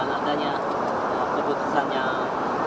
udah bang udah buka banget